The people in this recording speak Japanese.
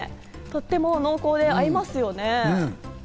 とっても濃厚で合いますよね。